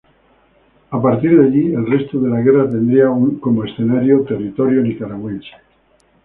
A partir de allí, el resto de la guerra tendría como escenario territorio nicaragüense.